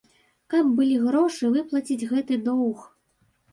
Каб былі грошы выплаціць гэты доўг.